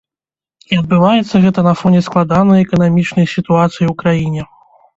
І адбываецца гэта на фоне складанай эканамічнай сітуацыі ў краіне.